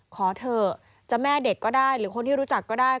ขอเถอะจะแม่เด็กก็ได้หรือคนที่รู้จักก็ได้